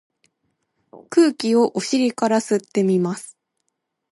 空気をお尻から吸ってみます。